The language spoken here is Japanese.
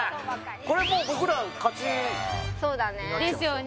これもう僕ら勝ちそうだねですよね